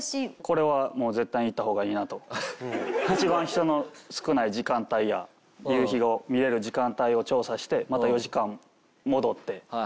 これはもう一番人の少ない時間帯や夕日を見られる時間帯を調査してまた４時間戻って。